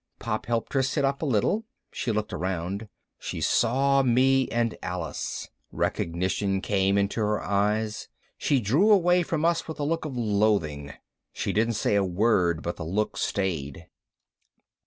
Pop helped her sit up a little. She looked around. She saw me and Alice. Recognition came into her eyes. She drew away from us with a look of loathing. She didn't say a word, but the look stayed.